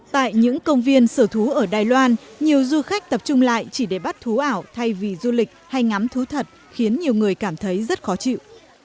tại những công viên sở thú ở đài loan nhiều du khách tập trung lại chỉ để bắt thú ảo thay vì du lịch hay ngắm thú thật khiến nhiều người cảm thấy rất khó chịu